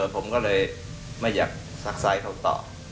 ผมก็เลยไม่อยากศักดิ์ใสเขาต่อ